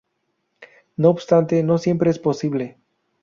No obstante, no siempre es posible.